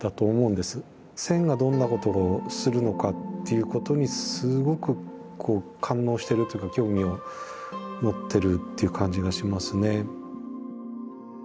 線がどんなことをするのかっていうことにすごくこう感応してるっていうか興味を持ってるっていう感じがしますね。